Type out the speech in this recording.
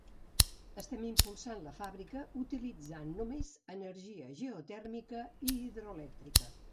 Estem impulsant la fàbrica utilitzant només energia geotèrmica i hidroelèctrica.